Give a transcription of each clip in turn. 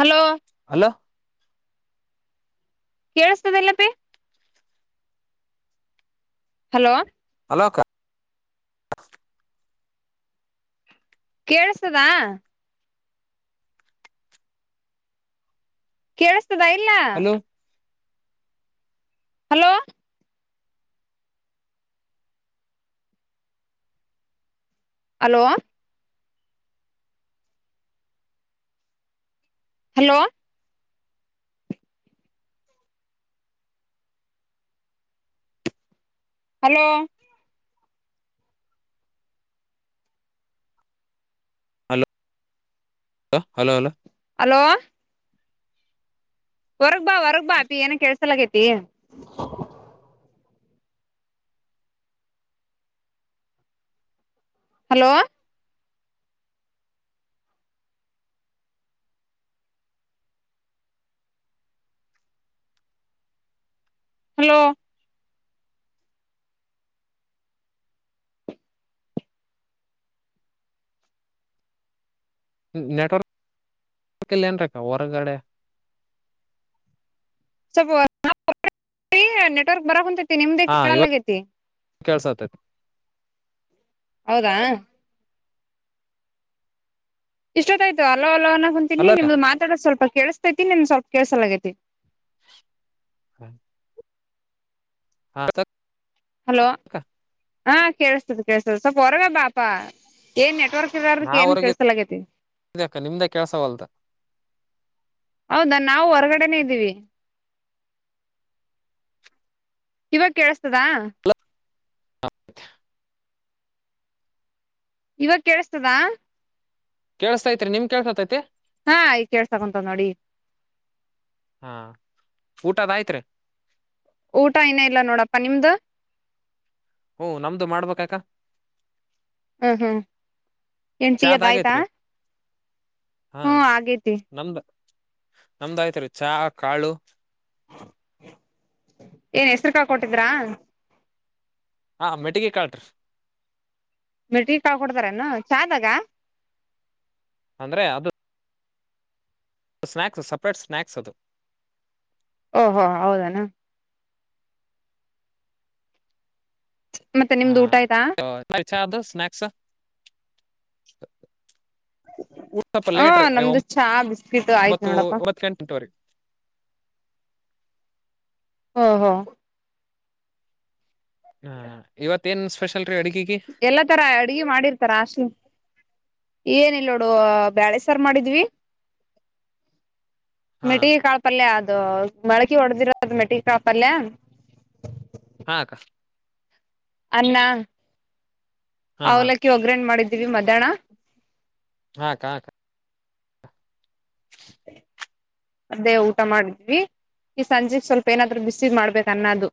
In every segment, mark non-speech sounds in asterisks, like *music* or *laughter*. Hello hello ಕೇಳಿಸ್ತದಿಲ್ಲಪ್ಪಿ. Hello hello ಅಕ. ಕೇೇಳಸ್ತದಾ? ಕೇೇಳಿಸ್ತದ ಇಲ್ಲ? Hello hello hello hello hello hello hello hello hello ಹೊರ್ಗ್ ಬಾ ಹೊರ್ಗ್ ಬಾ ಅಪಿ ಏನ ಕೇಳ್ಸಲಕೈತಿ. ಹಲೋ ಹಲೋ ನೆಟ್ವರ್ಕ್ ಬರಕಿಲ್ರಕ್ಕ ಹೊರಗಡೆ ಸ್ವಲ್ಪ *unintelligible* ನೆಟ್ವರ್ಕ್ ಬರಂತ. ನಿಮ್ದೇ ಹಾ ಇವಾಗ ಕೇಳಲಾಗೈತಿ. ಕೇಳ್ಸತೈತಿ ಹೌದಾ ಇಷ್ಟೊತ್ತಾಯ್ತು ಹಲೋ ಹಲೋ ಅನ್ನಕುಂತೀನಿ ಹಲೋಕ್ಕ ನಿಮ್ದು ಮಾತಾಡೋದು ಸ್ವಲ್ಪ ಕೇಳಸ್ತೈತಿ ನಿನ್ ಸ್ವಲ್ಪ ಕೇಸಲಾಗೈತಿ. ಹ್ಮ ಹಾ ಹಲೋ ಹಾ ಕೇಳಸ್ತದೆ ಕೇಳಸ್ತದೆ ಸ್ವಲ್ಪ ಹೊರಗ ಬಾಪಾ ಏನ್ ನೆ *unintelligible* ನಾ ಏನು ಹೊರಗಿದ್ದೆ ಕಳ್ಸಲಗೖತಿ. ಅಕ್ಕ ನಿಮ್ದೇ ಕೇಳ್ಸವಲ್ದ ಹೌದಾ ನಾವು ಹೊರಗಡೆನೆೇ ಇದ್ದೀವಿ. ಇವಾಗ ಕೇಳಸ್ತದಾ? ಸಾಪ್ಪ *unintelligible* ಇವಾಗ ಕೇಳಸ್ತದ? ಕೇಳುಸ್ತೈತ್ರಿ ನಿಮ್ ಕೇಳ್ಸತೈತಿ. ಹಾ ಈ ಕೇಳ್ಸದೊಂತ ನೋಡಿ ಹಾ ಊಟದಾಯ್ತ್ರಿ. ಊಟ ಇನ್ನೂ ಇಲ್ಲ ನೋಡಪ್ಪ ನಿಮ್ದು? ಹ್ಮ ನಮ್ದು ಮಾಡ್ಬೇಕಕ್ಕ. ಹ್ಮ್ ಹ್ಮ್ ಏನ್ಟೀ ಚಾದ್ ಅದ ಆಯ್ತಾ. ಆಗೈತ್ರಿ ಹಾ ಹ್ಮ್ ಆಗೇತಿ ನಮ್ದ ನಮ್ದಾಯ್ತರಿ ಚಹ ಕಾಳು ಏನ್ ಹೆಸ್ರುಕಾಳ್ ಕೊಟ್ಟಿದ್ರಾ? ಹಾ ಮೆಟ್ಟಿಗೆ ಕಾಳ್ರೀ. ಮೆಟ್ಟಿ ಕಾಳ್ ಕೊಡ್ತಾರೇನು ಚಾದಾಗ? ಅಂದ್ರೆ ಅದು ಸ್ನ್ಯಾಕ್ಸು ಸೆಪ್ರೇಟ್ ಸ್ನ್ಯಾಕ್ಸ್ ಅದು. ಓ ಹೋ ಹೌದನಾ? ಮತ್ತೆ ನಿಮ್ದು ಹಾ ಊಟ ಆಯ್ತಾ ಚಾದು ಸ್ನ್ಯಾಕ್ಸು? ಸ್ವಲ್ಪ ಹಾ ಲೇಟ್ ರೀ ನಮ್ದು ಚಾ ಬಿಸ್ಕಿಟ್ ಆಯ್ತು ಒಂಬತ್ತು ನೋಡಪ್ಪಾ. ಒಂಬತ್ತು ಗಂಟೆವರೆಗೆ ಹೊ ಹೊ. ಹ ಇವತ್ತ ಏನ್ ಸ್ಪೆಷಲ್. ರೀ ಅಡಗಿಗೆ ಎಲ್ಲಾ ತರ ಅಡ್ಗೆ ಮಾಡಿರ್ತಾರ ಹಾಸ್ಟೇಲ್. ಏನಲ್ ನೋಡು ಬೇಳೆಸಾರ್ ಮಾಡಿದ್ವಿ. ಹಾ ಮಿಟಿಗೆ ಕಾಳ ಪಲ್ಯ ಆದ. ಅ ಮಳಕಿ ಹೊಡೆದಿರದ್ ಮೆಟ್ಟಿಗೆ ಕಾಳ್ ಪಲ್ಯ. ಹಾ ಅಕ್ಕ. ಅನ್ನ ಹಾ ಹಾ ಅವ್ಲಕ್ಕಿ ಹೋಗರ್ಣೆ ಮಾಡಿದೀವಿ ಮಧ್ಯಾಹನ. ಹಾ ಅಕ್ಕ ಕ್ಕ. *inaudible* ಅದೇ ಊಟ ಮಾಡಿದ್ವಿ ಈ ಸಂಜೆೆಗೆ ಸ್ವಲ್ಪ ಏನಾದ್ರು ಬಿಸಿದ್ ಮಾಡ್ಬೇಕ ಅನ್ನದು.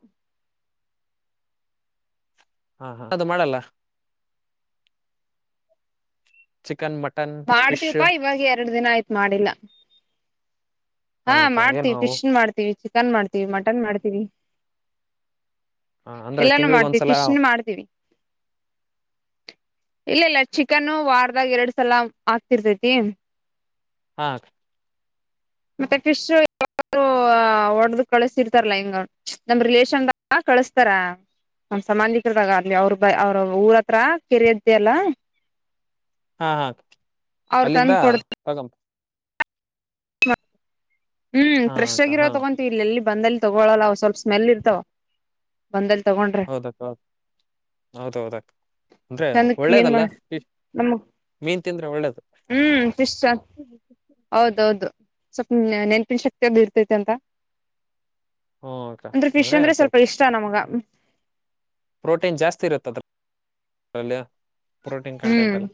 ಹ ಅದು ಮಾಡಲ್ಲ. ಚಿಕನ್ ಮ. ಮಾಡ್ತೀವಪಾ ಇವಾಗ ಎರಡು ದಿನ ಆಯ್ತು ಮಾಡಿಲ್ಲ. ಹಾ ಅಕ್ಕ ಏನು ಮಾಡ್ತೀವಿ ಅವು ಫಿಶ್ ಮಾಡ್ತೀವಿ ಚಿಕನ್ ಮಾಡ್ತೀವಿ ಮಟನ್ ಮಾಡ್ತೀವಿ. ಹ ಅಂದ್ರೆ ಎಲ್ಲಾನು ತಿಂಗಳಿಗೆ ಮಾಡ್ತೀವಿ ಒಂದ್ಸಲ ಫಿಶ್ನ್ ಮಾಡ್ತೀವಿ. *inaudible* ಇಲ್ಲ ಇಲ್ಲ ಚಿಕನ್ ವಾರ್ದಾಗ ಎರಡ್ ಸಲ ಆಗ್ತಿರ್ತತಿ. ಹಾ. ಮತ್ತೆ ಫಿಶ್ *unintelligible* ಹೊಡ್ದ ಕಲ್ಸ್ಥಿರ್ತರಲ್ಲ ಹಿಂಗ ನಮ್ ರಿಲೇಷನ್. ಕಳಸ್ತಾರ. ನಮ್ ಸಂಬಂಧಿಕರದಾಗ ಅಲಿ ಅವ್ರ ಊರತ್ರ ಕೆರೆ ಆಯ್ತೆ ಅಲ್ಲ. ಹಾ ಹಾ ಅವ್ರು ಅಲ್ಲಿಂದ ತಂದ್ ಕೊಡ್ತ ತಗಂ. ಹ್ಮ್ ಹಾ ಫ್ರೆಶ್ ಅಕ್ಕ ಆಗಿರೋ ಹಾ ತಗೊಂತತೀ ಇಲ್ಲೆಲ್ಲಿ ಬಂದಲ್ಲಿ ತಗೊಳಲ್ಲ ಸ್ವಲ್ಪ ಸ್ಮೆಲ್ ಇರ್ತವ ಬಂದಲ್ಲಿ. ತಗೊಂಡ್ರೆ ಹೌದಕ್ ಹೌದು ಹೌದೌದಕ್. *unintelligible* ಕ್ಲೀನ್ ಮಾಡ ನಮ್ಮ. ಮೀನ್ ತಿಂದ್ರೆ ಒಳ್ಳೇದು ಹ್ಮ್ ಫಿಶ್ ಹೌದೌದು. ಸ್ವಲ್ಪ್ ನೆನಪಿನ ಶಕ್ತಿ ಅದು ಇರ್ತೈತಿ ಅಂತ. ಹ್ಮ ಅಕ್ಕ ಅಂದ್ರೆ ಫಿಶ್ ಅಂದ್ರೆ ಅದು ಸ್ವಲ್ಪ ಇಷ್ಟ ನಮಗ. ಪ್ರೋಟೀನ್ ಜಾಸ್ತಿ ಇರುತ್ತೆ ಅದ್ರ ಪ್ರೋಟೀನ್ ಕಂಟೆಂಟ್ ಹ್ಮ್ ಎಲ್ಲ.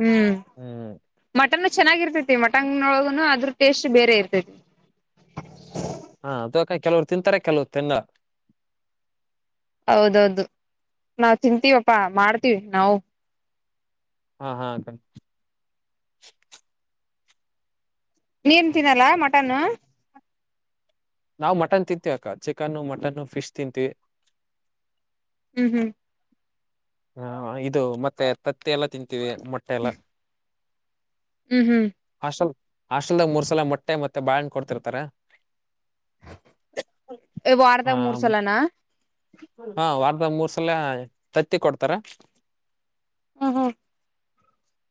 ಹ್ಮ್ ಹ್ಮ್ ಮಟನ್ ಚೆನ್ನಾಗಿರ್ತೇತಿ ಮಟನ್ ನೊಳಗನು ಅದ್ರ. ಟೇಸ್ಟ್ ಬೇರೆ ಇರ್ತದೆ. ಹಾ ಅದುಕ ಕೆಲವ್ರು ತಿಂತಾರೆ ಕೆಲವ ತಿನ್ನಲ್ಲ. ಹೌದೌದು ನಾವು ತಿಂತೀವಪ್ಪಾ ಮಾಡ್ತೀವಿ ನಾವು. ಹಾ ಹಾ ನೀನ್ ತಿನ್ನಲ್ಲ ಮಟನ್. ನಾವು ಮಟನ್ ತಿಂತೀವಿ ಅಕ್ಕ ಚಿಕನ್ನು ಮಟನ್ನು ಫಿಶ್ ತಿಂತೀವಿ. ಹ್ಮ್ ಹ್ಮ್ ಹಾ ಇದು ಮತ್ತೆ ತತ್ತಿ ಎಲ್ಲ ತಿಂತೀವಿ ಮೊಟ್ಟೆ ಎಲ್ಲ. ಹ್ಮ್ ಹ್ಮ್ ಹಾಸ್ಟೆಲ್ ಹಾಸ್ಟೆಲ್ದಾಗ ಮೂರ್ ಸಲ ಮೊಟ್ಟೆ ಮತ್ತೆ ಬಾಳೆಣ್ಣ ಕೊಡ್ತಿರ್ತಾರೆ. ಹಾ ವಾರದಾಗ ಮೂರ್ ಸಲನಾ ಹ. ಮೂರ್ಸಲ ತತ್ತಿ ಕೊಡ್ತಾರ. ಹ ಹಾ.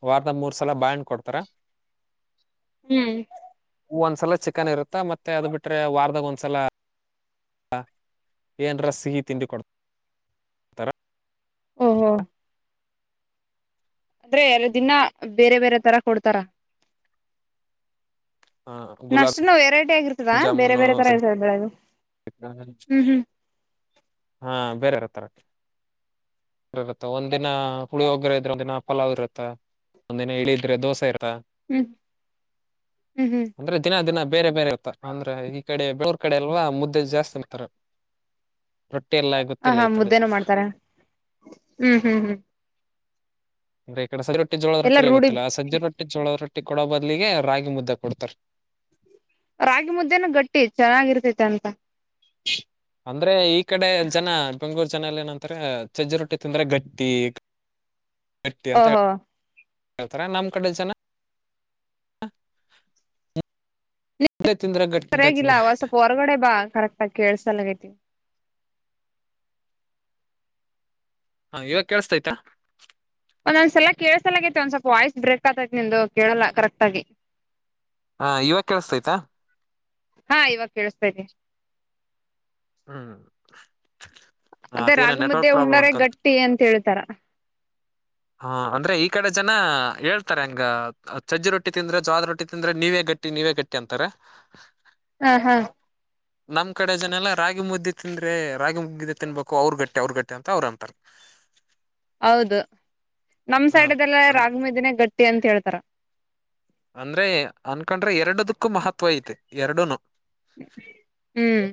ವಾರದ ಮೂರು ಸಲ ಬಾಳೆಹಣ್ಣು ಕೊಡ್ತಾರ. ಹ್ಮ್ ಒಂದ್ಸಲ ಚಿಕನ್ ಇರುತ್ತ ಮತ್ತೆ ಅದು ಬಿಟ್ರೆ ವಾರದಾಗ ಒಂದ್ಸಲ. ಏನ್ರ ಸಿಹಿ ತಿಂಡಿ ಕೊಡ್ ತರ. ಹ ಹ ಅಂದ್ರೆ ಎರ ದಿನ ಬೇರೆ ಬೇರೆ ತರ ಕೊಡ್ತಾರ ಹ ನಷ್ಟು ಗುಲಾಬ್ ನ ಎರೈ ಆಗರ್ತದಾ ಬೇರೆ ಜಾಮೂನು ಬೇರೆ ತರ ಇರ್ತದೆ ಬೆಳದು ಸಜ್ಜಿ ಹ್ಮ್ ಹ್ಮ್ ಹಾ ಬೇರೆಾರ ತರ ಇತ್ತ ಒಂದ ದಿನ ಹುಳಿ ಒಗ್ರ ಇದ್ರೆ ಒಂದ ದಿನ ಪಲಾವ್ ಇರುತ್ತ ಒಂದ್ನ ಹೇಳಳಿದ್ರೆ ದೋಸೆ ಇರ ಹ್ಮ್ ಹ್ಮ್ ಹ್ಮ್ ಅಂದ್ರೆ ದಿನ ದಿನ ಬೇರೆ ಬೇರೆ ಇತ್ತ ಅಂದ್ರೆ ಈ ಕಡೆ ಬೆಳವರ್ ಕಡೆ ಅಲ್ವಾ ಮುದ್ದೆ ಜಾಸ್ತಿ ಅಂತಾರೆ ರೊಟ್ಟಿ ಎಲ್ಲ ಹ ಗೊತ್ತಿಲ್ಲ ಹಾ ಈ ಕಡೆ ಮುದ್ದೆನು ಮಾಡ್ತಾರ ಹ್ಮ್ ಹ್ಮ್ ಹ್ಮ್ ಅಂದೆ ಈ ಕಡೆ ಸಜ ರೊಟ್ಟ ಜೋಳದ ಎಲ್ಲ ರೊೆಲ್ಲ ರೂಢಿ ಗೊತ್ತಿಲ್ಲ ಆ ಸಂಜೆ ರೊಿ ಜೋಳದ ರೊೆ ಟ್ಟಿ ಕೊಡೋ ಬದ್ಲಿಗೆ ರಾಗಿ ಮುದ್ದ ಕೊಡ್ತಾರ ರಾಗಿ ಮುದ್ದೇನ ಗಟ್ಟಿ ಚೆನ್ನಾಗಿರ್ತೈತಿ ಅಂತ ಅಂದ್ರೆ ಈ ಕಡೆ ಜನ ಬೆಂಗೂರು ಚನೆಯಲ್ಲಿ ಏನಂತ್ರ ಚಜ್ಜಿ ರೊಟ್ಟಿ ತಿಂದ್ರೆ ಗಟ್ಟಿ ಗಟ್ಟಿ ಅಂತ ಹ ಓಹೋ ಹತರ ನಾಮ ಕಡಸ ಸರಿಯಾಗಿಲ್ಲ ಸ್ವಪ ಹೊರಗಡೆ ಬಾ ಕರೆಕ್ ಕೇಳ್ಸಲ್ಲಗೈತಿ ಹಾ ಇವಾಗ ಕೇಳಸ್ತಯ್ತಾ ಒಂದೊಂದ್ಸಲ ಕೇಳಸಲಗೈತೆ ಒಂದ್ ಸ್ವಲ್ಪ ವಾಯ್ಸ್ ಬ್ರೇಕ್ ಆತೈತಿ ನಿಂದು ಕೇಳಲ್ಲ ಕರೆಕ್ಟ್ ಆಗಿ ಹಾ ಇವಾಗ ಕೇಳಿಸತಯ್ತಾ ಹಾ ಇವಾಗ ಕೇಳಸ್ತಾರಿ ಹ್ಮ್ ಅದೇ ಅದೇನ ರಾಗಮ್ದೆ ನೆಟ್ವರ್ಕ್ ಪ್ರಾಬ್ಲಮ್ ಉಂಡರ ಅನ್ಕೊಂತ ಗಟ್ಟಿ ಅಂತ ಹೇಳ್ತಾರ ಹಾ ಅಂದ್ರೆ ಈ ಕಡೆ ಜನ ಹೇಳ್ತಾರೆ ಹಂಗ ಸಜ್ಜಿ ರೊಟ್ಟಿ ತಿಂದ್ರೆ ಜ್ವಾದ ರೊಟ್ಟಿ ತಿಂದ್ರೆ ನೀವೇಗ ಗಟ್ಟಿ ನೀವೇ ಗಟ್ಟಿ ಅಂತಾರ ಹಾ ಹಾ ನಮ್ ಕಡೆ ಜನ ಎಲ್ಲ ರಾಗಿ ಮುದ್ದು ತಿಂದ್ರೆ ರಾಗಿ ಮುದಗಿದ್ದು ತಿನ್ಬೇಕು ಅವ್ರ ಗಟ್ಟೆ ಅವ್ರ ಗಟ್ಟೆ ಅಂತ ಅವ್ರ ಅಂತಾರೆ *inaudible* ಹೌದು ನಮ ಸೈಡ್ದೆಲ್ಲ ಹಾ ರಾಗಿ ಮೇದಿನೇ ಗಟ್ಟಿ ಅಂತ ಹೇಳ್ತಾರ ಅಂದ್ರೆ ಅನ್ಕೊಂಡ್ರೆ ಎರಡದಕ್ಕೂ ಮಹತ್ವ ಐತೆ ಎರಡುನು ಹ್ಮ್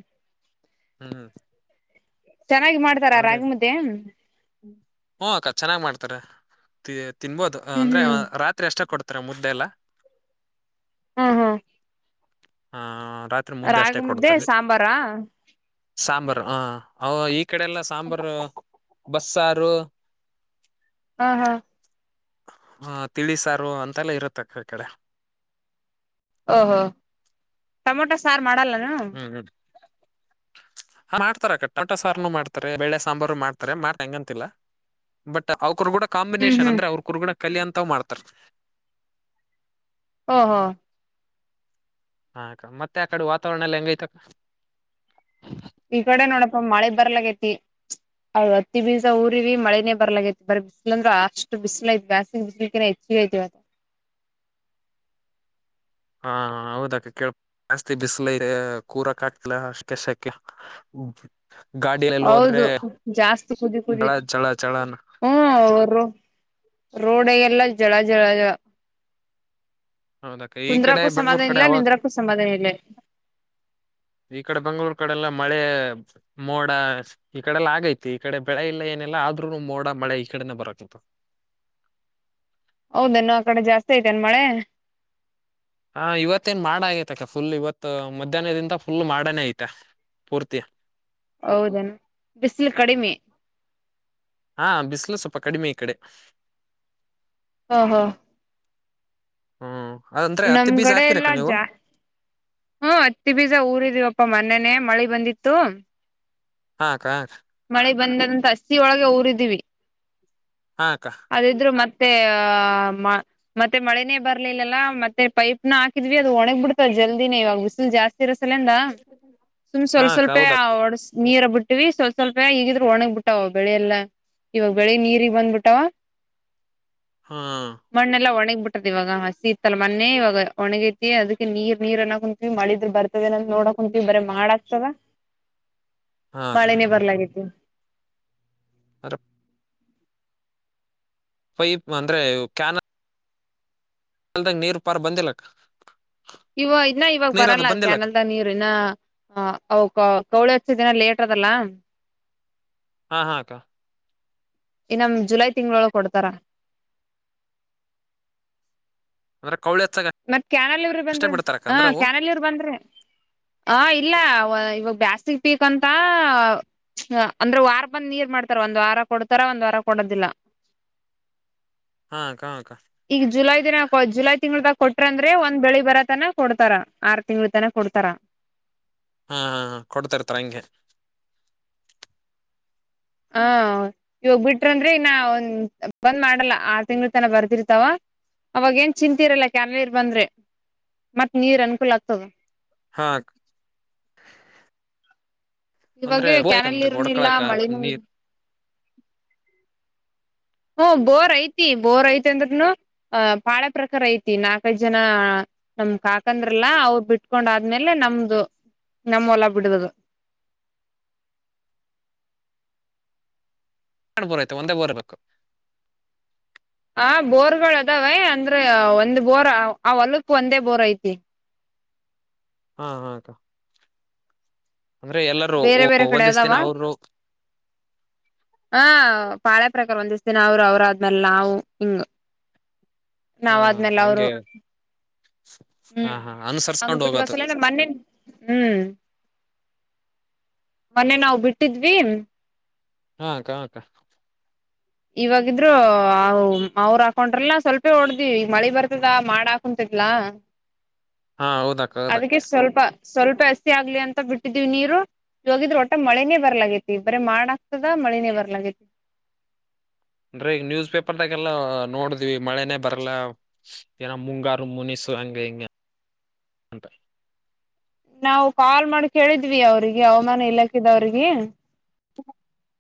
ಹ್ಮ್ ಹ್ಮ ಚೆನ್ನಾಗಿ ಮಾಡ್ತಾರ ರಾಗಿ ಮು್ದೆ ಹಓ ಅಕ್ಕ ಚೆನ್ನಾಗ್ ಮಾಡ್ತಾರೆ ತಿನ್ಬೋದು ಅಂದ್ರೆ ಹ್ಮ್ ರಾತ್ರಿ ಎಷ್ಟ ಕೊಡ್ ಪತ್ರ ಮುದ್ದೆಲ್ಲ ಹಾ ಹಾ ಆ ರಾತ್ರಿ ಮುದ್ದೆ ಅಷ್ಟೇ ಕೊಡತಲ್ಲಿ ಸಾಂಬಾರು ಹ ಈ ಕಡೆ ಎಲ್ಲ ಸಾಂಬಾರು ಬಸ್ಸಾರು ಹಾ ಹಾ ಹ ತಿಳಿಿಸಾರು ಅಂತೆಲ್ಲ ಇರುತ್ತೆ ಅಕ್ಕ ಕಡೆ ಓಹೋ ಟೊಮೊಟೊ ಸಾರು ಮಾಡಲ್ಲನು ಹಾ ಮಾಡ್ತಾರ ಕಟ್ಟ ಟ ಸಾರನು ಮಾಡ್ತಾರೆ ಬೇಳೆ ಸಾಂಬಾರು ಮಾಡ್ತಾರೆ ಮಾಡ್ತ ಹೆಂಗಂತಿಲ್ಲ ಬಟ್ ಅವ ಕುರ್ಗುಡ ಹ್ಮ್ ಕಾಂಬಿನೇೇಶನ್ ಹ್ಮ್ ಅಂದ್ರೆ ಅವ್ರ ಕುರುಗುಡ ಕಲ್ ಅಂತ್ ಮಾಡ್ತಾರ ಹಾ ಹಾ ಹಾಕ್ಕ ಮತ್ತೆ ಆ ಕಡೆ ವಾತಾವರಣ ಎಲ್ಲ ಹೆಂಗಐತಕ್ಕ ಈ ಕಡೆ ನೋಡಪ್ಪ ಮಳೆ ಬರ್ಲಾಗೈತಿ ಹೌದು ಹತ್ತಿ ಬಿಸ ಊರಿೀ ಮಳೇನೆ ಬರ್ಲಾಗೈಐತಿ ಬಿಸಿಲ ಅಂದ್ರೆ ಅಷ್ಟು ಬಿಸಿಲ ೈಐ ಬ್ಯಾಸ್ತಿ ಬಿಸಿ್ಲಿ ಹೆಚ್ಚ ತ *inaudible* ಹಾ ಹೌದಕ ಕ ಜಾಸ್ತಿ ಬಿಸಿಲ ಇ ಕೂರಕ್ ಆಗ್ತಿಲ್ಲ ಅ ಕೆಸಕ್ಕೆ ಹ ಹೌದು ಜಾಸ್ತಿ ಕುದಿ ಕುದಿ ಜಳ ಜಳ ಜಳ ಹ್ಮ ಅವರು ರೋಡ ಎಲ್ಲ ಜಳ ಜಳ ಹೌದಾಕ ಈ ಕಡೆ ಕುಂದ್ರಕ್ಕೂ ಬೆಂಗ್ಳೂರ್ ಸಮಾಧಾನ ಕಡೆ ಇಲ್ಲ ಯಾಗ ನಿಂದ್ರಕ್ಕೂ ಸಮಾಧಾನ ಇಲ್ಲ ಈ ಕಡೆ ಬೆಂಗ್ಳೂರ್ ಈ ಕಡೆಲ್ಲ ಮಳೆ ಮೋಡ ಈ ಕಡೆಲ್ಲ ಆಗೈತಿ ಈ ಕಡೆ ಬೆಳೆ ಇಲ್ಲ ಏನೆಲ್ಲ ಆದ್ರೂನು ಮೋಡ ಮಳೆ ಈ ಕಡೆನೆ ಬಕ್ಕುತ್ತ ಹೌದನ್ನು ಆ ಕಡೆ ಜಾಸ್ತಿ ಐತೇನ್ ಮಳೆ ಹಾ ಇವತ್ತೇಏನ್ ಮಾಡ ಆಗೈತ ಅಕ ಫುಲ್ ಇವತ್ತು ಮಧ್ಯಾಹ್ನದಿಂದ ಫುಲ್ ಮಾಡನೇ ಐತೆ ಪೂರ್ತಿ ಹೌದಣ ಬಿಸಿಲು ಕಡಿಮೆ ಹಾ ಬಿಸಿಲು ಸ್ವಲ್ಪ ಕಡಿಮೆ ಈ ಕಡೆ ಹಾ ಹಾ ಹ್ಮ್ ಅಂದ್ರೆ ಹತ್ತಿ ಬೀಜ ನಮ್ಗಡೆ ಹಾಕಿರಕ್ಕ ಎಲ್ಲಾ ನೀವು ಜಾ ಹ್ಮ ಹತ್ತಿ ಬೀಜ ಊರ ಇದೀವಪ್ಪ ಮನನೆ ಮಳ ಬಂದಿತ್ತು ಹಾ ಕ ಳಿ ಬಂದಂತ ಹಸಿ ಒಳಗೆ ಊರಿದೀವಿ ಹಾ ಅಕ್ಕ ಅದಿದ್ರು ಮತ್ತ ಮತ್ತೆ ಆ ಮತ್ತೆ ಮಳೆನೇ ಬರ್ಲಿಲ್ಲಲ್ಲ ಮತ್ತೆ ಪೈಪ್ನ ಹಾಕಿದ್ವಿ ಅದು ಒಣಗ್ ಬಿಡ್ತದೆ ಜಲ್ದಿನೇ ಇವಾಗ ಬಿಸಿಲು ಜಾಸ್ತಿ ಇರಸಲಂದ ಸುಮ್ ಹಾ ಸ್ವಲ್ಪ ಅಕ್ಕ ಸ್ವಲ್ಪೇ ಹೌದಕ್ಕ ಓಡ್ ನೀರ ಬಿಟ್ಟಿವವಿ ಸ್ವಲ್ಪ ಹೀಗಿದ್ರರು ಒಣಗಬಿಟ್ಟಾವ ಬೆಳೆಲ್ಲಾ ಇವಾಗ ಬೆಳಿಗ್ ನೀರಿಗೆಗ್ ಬಂದ್ಬಿಟ್ಟಾವ ಹಾ ಮಣ್ಣೆಲ್ಲ ಒಣಗ ಬಿಟ್ಟದ ಇವಾಗ ಹಸಿ ಇತ್ತಲ್ಲ ಮೊ ಇವಾಗ ಒಣಗೈತಿ ಅದಕ್ಕೆ ನೀರ್ ನೀರ್ನ್ನ ಕುಂತ್ವಿ ಮಳಿದ್ರೆ ಬರ್ ನ ನೋಡಕ ಕುಂತೀವಿ ಬರಿ ಮಾಡ ಆತವ ಹಾಕ *unintelligible* ಅ ಪೈಪ್ ಅಂದ್ರೆ ಕ್ಯಾನ ಅಲ್ದಂಗ ನೀರು ಪಾರ್ ಬಂದಿಲ್ಲಕ್ ಇವ ಇನ್ನ ಇವಾಗ ಬರಲ್ಲ ಕ್ಯಾನಲ್ ದ ನೀರು ಇನ್ನ ಅ ಕೌಳ ದಿನ ಲೇಟ್ರದಲ್ಲ ಹಾ ಹಾ ಅಕ್ಕ ಇ ನಮ್ ಜುಲೈ ತಿಂಗಳೊಳ ಕೊಡ್ತಾರ ಅಂದ್ರೆ ಕೌಳಿ ಹಚ್ಚಾಗ ಮತ್ತ್ ಕ್ಯಾನಲ್ಲಿ ಇವ್ರ ಅಷ್ಟೇ ಬಂದ್ರ ಬಿಡ್ತಾರಕ್ಕ ಹ ಅಂದ್ರೆ ಅವು ಕ್ಯಾನಲ್ಲಿ ಇವರು ಬಂದ್ರಿ ಹಾ ಇಲ್ಲ ಇವ ಬಾಸ್ತಿ ಪೀಕ್ ಅಂತ ಅಂದ್ರೆ ವಾರ ಬಂದ್ ನೀರ್ ಮಾಡ್ತಾರ ಒಂದ್ ವಾರ ಕೊಡ್ತಾರ ಒಂದ್ ವಾರ ಕೊಡ್ತ ಅದಲ್ಲಾ *inaudible* ಹಾ ಅಕ್ಕ ಹಾ ಅಕ್ಕ ಈಗ ಜುಲೈ ದಿನಕ ಜುಲೈ ತಿಂಗಳದಾಗ ಕೊಟ್ರಂದ್ರೆ ಒಂದ್ ಬೆಳಿ ಬರ ತನ ಕೊಡ್ತಾರ ಆರ್ ತಿಂಗಳ ತನ ಕೊಡ್ತಾರ ಹಾ ಹಾ ಕೊಡ್ತರ್ತಾರ ಹಂಗೆ ಹ ಇವಾಗ ಬಿಟ್ರಂದ್ರೆ ಇನ್ನ ಒಂದ ಬಂದ್ ಮಾಡಲ್ಲ ಆರ್ ತಿಂಗ್ಳ ತನ ಬರ್ತಿರ್ತಾವ ಅವಾಗೇಏನ್ ಚಿಂತಿ ಇರಲ್ಲ ಕೆಯಾರರ್ ಬಂದ್ರೆ ಮತ್ ನೀರ್ ಅನ್ಕೂಲ ಆಗ್ತದ ಹಾ ಅಂದ್ರೆ ಇವಾಗ ಕ್ಯಾನಲ್ ಬೇಕಂದ್ರೆ ಇರ್ನ ಇಲ್ಲ ಹೊಡ್ಕಳಕ ಮಳನೂ ಇ ನೀರ್ ಹ್ಮ ಬೋರ್ ಐತಿ ಬೋರ್ ಐತಿ ಅಂದ್ರ್ನು ಅಹ ಪಾಳ ಪ್ರಕಾರ ಐತಿ ನಾಕೈ ಜನ ನಮ್ ಕಾಕಂದ್ರಲ್ಲ ಅವ್ರು ಬಿಟ್ಕೊಂಡ ಆದ್ಮೇಲೆ ನಮ್ದು ನಮ್ಮ ಹೊಲ ಬಿಡದು *inaudible* ಎಡ್ ಬೋರ್ ಐ್ತ ಒಂದೇ ಬೋರ್ ಬೇಕು ಹ ಬೋರ್ಗಳ್ ಅದಾವೆ ಅಂದ್ರೆ ಒಂದ್ ಬೋರ್ ಆ ಹೊಲುಕ್ ಒಂದೇ ಬೋರ್ ಐತಿ. ಹಾ ಹಾಕ್ಕ ಬೇರೆ ಬೇರೆ ಕಡೆ ಅದಾವ ಹ ಪಾಳೆ. ಪ್ರಕಾರ ಒಂದಿಸ್ತೀನ ಅವ್ರು ಅವ್ರ ಆದ್ಮೇಲೆ ನಾವು ಹಿಂಗ. ಹಾ ನಾವ ಹಾ ಅಕ್ಕ ಆದ್ಮೇಲ್ ಅವ್ರು. ಹಂಗೆ ಹಾ ಹ್ಮ್ ಹಾ ಅಂಗ್ ಅನುಸರಿಸ್ಕೊಂಡ್ ಹೋಗೋದು ಬಿಟ್ಟಗಸಿಲ್ಲ ಮಣ್ಣಿನ್ ಹ್ಮ್ *inaudible* ಮೊನ್ನೆ ನಾವ್ ಬಿಟ್ಟಿದ್ವಿ. ಹಾ ಅಕ ಹಾಕ್ಕ ಇವಾಗಿದ್ರು ಅವ್ರು ಹಾಕೊಂಡ್ರಲ್ಲ ಸ್ವಲ್ಪೆ ಹೊಡ್ದ್ ಮಳಿ ಬರ್ತದ ಮಾಡ ಹಾಕೊಂತ ಲ *inaudible* ಹಾ ಹೌದಕ್ಕ ಹೌದಕ್ಕ. ಸ್ವಲ್ಪ ಅಸ್ತಿ ಆಗ್ಲಿ ಅಂತ ಬಿಟ್ಟಿದೀವ್ ನೀರು. ಹೋಗಿದ್ರೆ ಒಟ ಮಳಿನೇ ಬರ್ಲಾಗೈತಿ ಬರೀ ಮಾಡ್ ಆಗ್ತದ ಮಳಿನೇ ಬರ್ಲಾಗ್ ಅಂದ್ರೆ ಈಗ ನ್ಯೂಸ್ ಪೇಪರ್ದಾಗೆಲ್ಲಾ ನೋಡಿದ್ವಿ ಮಳೆನೇ ಬರಲ್ಲ ಏನ ಮುಂಗಾರು ಮುನಿಸ್- ತು ಹಂಗ ಹೀಂಗೆ ಅಂತ. ನಾವು ಕಾಲ್ ಮಾಡ್ ಕೇಳಿದ್ವಿ ಅವ್ರಿಗೆ ಹವಾಮಾನ ಇಲಾಖೆದವ್ರಿಗಿ. *inaudible*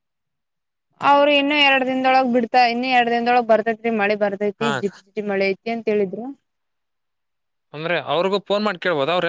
ಅವ್ರು ಇನ್ನು ಎರಡ್ ದಿನದೊಳಗ್ ಬಿಡ್ತ ಇನ್ನ ಎರಡ್ ದಿನದೊಳಗ್ ಬರ್ತೈತಿರಿ ಮಳಿ. ಬರ್ದೈತಿ ಹಾ ಅಕ್ಕ ಜಿಟ್ಟಿ ಮಳೆ ಐತಿ ಅಂತ ಹೇಳಿದ್ರ. ಅಂದ್ರೆ ಅವರ್ಗೂ ಫೋನ್ ಮಾಡ ಕೇಳ್ಬೋದ ಅವ್ರೆ